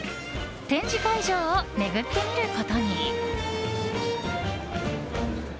展示会場を巡ってみることに。